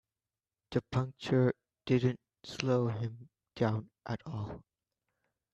The puncture didn't slow him down at all.